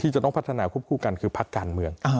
จะต้องพัฒนาควบคู่กันคือพักการเมือง